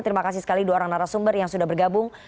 terima kasih sekali dua orang narasumber yang sudah bergabung